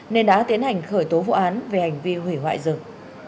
nên đã tiến hành khởi tố vụ án về hành vi hủy hoại rừng